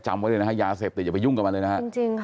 จำไว้ด้วยนะฮะยาเสพต่ออย่าไปยุ่งกับมันเลยนะฮะ